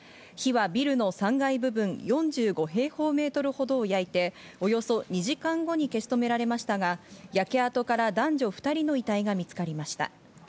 火はビルの３階部分４５平方メートルほどを焼いて、およそ２時間後に消し止められましたが、焼け跡から男女２人の遺体が見つかりました。